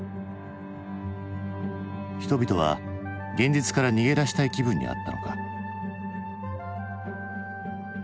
人々は現実から逃げ出したい気分にあったのか？